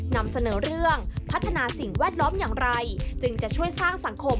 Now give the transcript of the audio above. นำเสนอเรื่องพัฒนาสิ่งแวดล้อมอย่างไรจึงจะช่วยสร้างสังคม